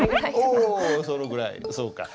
おそのぐらいそうか。